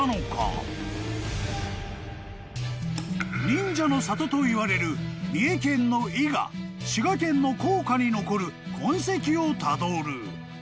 ［忍者の里といわれる三重県の伊賀滋賀県の甲賀に残る痕跡をたどる］